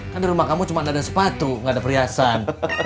kan di rumah kamu cuma ada sepatu nggak ada perhiasan